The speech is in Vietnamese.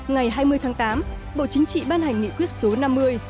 ngày hai mươi tháng tám bộ chính trị ban hành nghị quyết số năm mươi